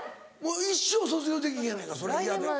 一生卒業できひんやないかそれ嫌で。